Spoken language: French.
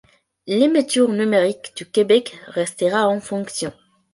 L'émetteur numérique de Québec restera en fonction.